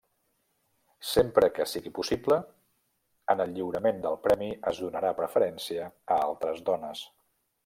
Sempre que sigui possible, en el lliurament del premi es donarà preferència a altres dones.